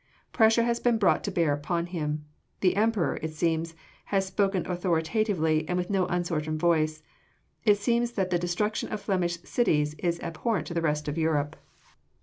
Pressure has been brought to bear upon him: the Emperor, it seems, has spoken authoritatively, and with no uncertain voice. It seems that the destruction of Flemish cities is abhorrent to the rest of Europe."